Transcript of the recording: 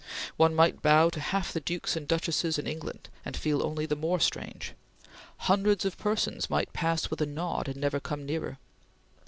One might bow to half the dukes and duchesses in England, and feel only the more strange. Hundreds of persons might pass with a nod and never come nearer.